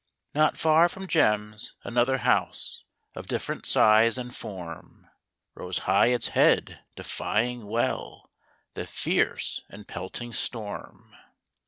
Not far from Jem's, another house Of different size and form, Rose high its head, defying well The fierce and pelting storm.